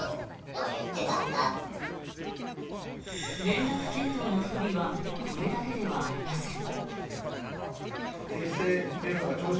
連絡系統の不備はこれだけではありません。